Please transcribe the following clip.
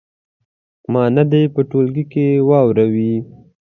معنا دې په ټولګي کې واوروي.